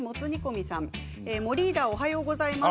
もリーダー、おはようございます。